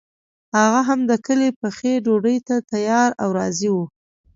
هغه هم د کلي پخې ډوډۍ ته تیار او راضي وو.